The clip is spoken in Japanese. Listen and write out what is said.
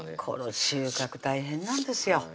この収穫大変なんですよ